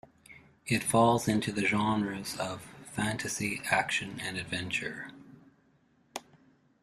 It falls into the genres of fantasy, action and adventure.